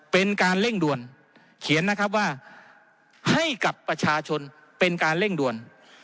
เป็นการเร่งด่วนเขียนนะครับว่าให้กับประชาชนเป็นการเร่งด่วน